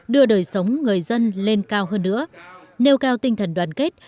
đưa đời sống người dân lên cao hơn nữa nêu cao tinh thần đoàn kết